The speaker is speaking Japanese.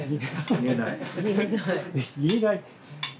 言えない？